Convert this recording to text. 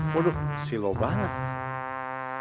waduh silo banget